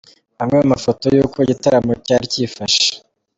Amwe mu mafoto y’uko igitaramo cyari cyifashe :.